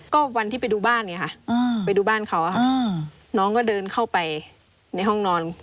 ก็วันที่ไปดูบ้านเขาน้องเขาเดินเข้าไปในห้องนอน